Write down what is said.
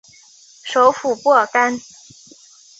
首府布尔干。